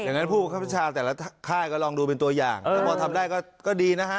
งั้นผู้ประคับประชาแต่ละค่ายก็ลองดูเป็นตัวอย่างถ้าพอทำได้ก็ดีนะฮะ